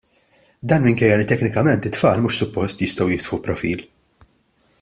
Dan minkejja li teknikament it-tfal mhux suppost jistgħu jiftħu profil.